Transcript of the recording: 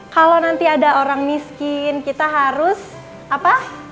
kalau nanti ada orang miskin kita harus apa